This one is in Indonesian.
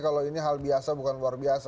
kalau ini hal biasa bukan luar biasa